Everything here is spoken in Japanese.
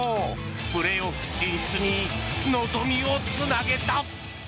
プレーオフ進出に望みをつなげた。